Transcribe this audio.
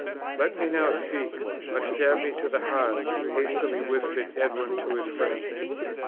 "Let me now speak, or stab me to the heart!" hastily whispered Edwin to his friend.